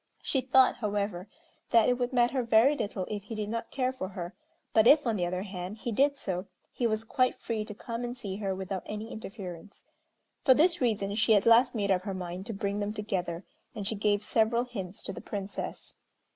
She thought, however, that it would matter very little if he did not care for her, but if, on the other hand, he did so, he was quite free to come and see her without any interference. For this reason she at last made up her mind to bring them together, and she gave several hints to the Princess.